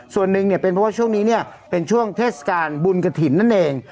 ส่วนหนึ่งเป็นเพราะว่าช่วงนี้เป็นช่วงเทศกาลบุญกฐิน